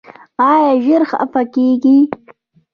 ایا ژر خفه کیږئ؟